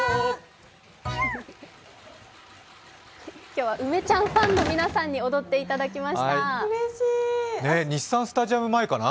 今日は梅ちゃんファンの皆さんに踊っていただきました。